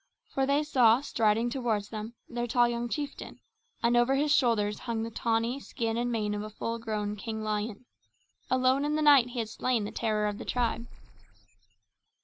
For they saw, striding toward them, their tall young chieftain; and over his shoulders hung the tawny skin and mane of a full grown king lion. Alone in the night he had slain the terror of the tribe!